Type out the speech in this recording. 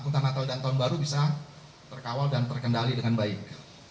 angkutan natal dan tahun baru bisa terkawal dan terkendali dengan baik